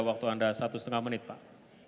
waktu anda satu setengah menit pak